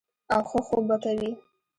او ښۀ خوب به کوي -